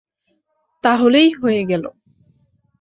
তাহলেই হয়ে গেল।